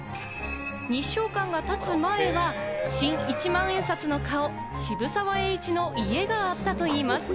日証館が建つ前は、新一万円札の顔、渋沢栄一の家があったといいます。